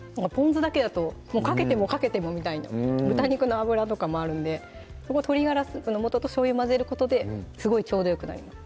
酢だけだとかけてもかけてもみたいな豚肉の脂とかもあるんで鶏ガラスープの素としょうゆ混ぜることですごいちょうどよくなります